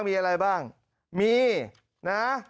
มีอะไรบ้างมีนะ